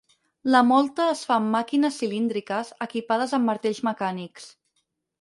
La mòlta es fa amb màquines cilíndriques equipades amb martells mecànics.